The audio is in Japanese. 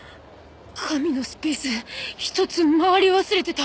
神のスペース１つ回り忘れてた。